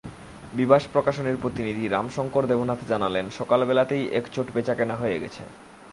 বিভাস প্রকাশনীর প্রতিনিধি রামশংকর দেবনাথ জানালেন, সকালবেলাতেই একচোট বেচাকেনা হয়ে গেছে।